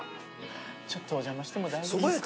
ちょっとお邪魔しても大丈夫ですか？